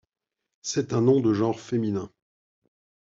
C'est un nom de genre féminin.